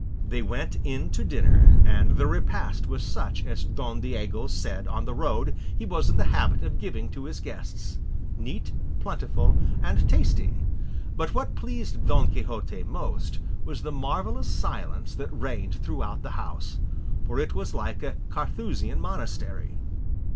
They went in to dinner, and the repast was such as Don Diego said on the road he was in the habit of giving to his guests, neat, plentiful, and tasty; but what pleased Don Quixote most was the marvellous silence that reigned throughout the house, for it was like a Carthusian monastery.